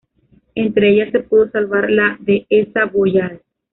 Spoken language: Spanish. Entre ellas se pudo salvar la Dehesa Boyal.